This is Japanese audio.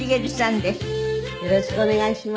よろしくお願いします。